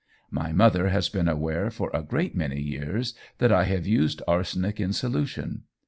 My mother has been aware for a great many years that I have used arsenic in solution.